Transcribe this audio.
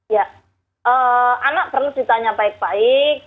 ya anak perlu ditanya baik baik